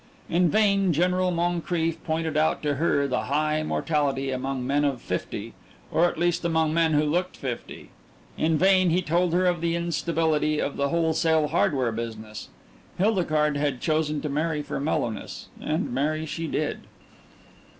In vain General Moncrief pointed out to her the high mortality among men of fifty or, at least, among men who looked fifty; in vain he told her of the instability of the wholesale hardware business. Hildegarde had chosen to marry for mellowness, and marry she did....